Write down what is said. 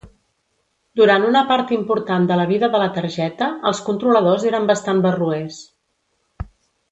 Durant una part important de la vida de la targeta, els controladors eren bastant barroers.